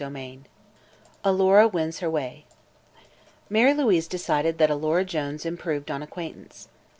CHAPTER XVI ALORA WINS HER WAY Mary Louise decided that Alora Jones improved on acquaintance.